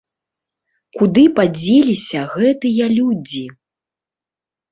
Куды падзеліся гэтыя людзі?